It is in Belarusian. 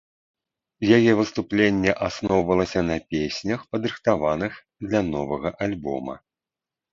Яе выступленне асноўвалася на песнях, падрыхтаваных для новага альбома.